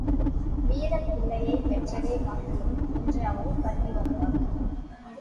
வீரப் பிள்ளையை பெற்றதே பாக்கியம் என்று அவள் கருதி வந்தாள்.